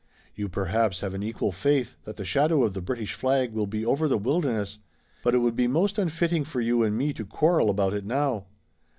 You perhaps have an equal faith that the shadow of the British flag will be over the wilderness, but it would be most unfitting for you and me to quarrel about it now.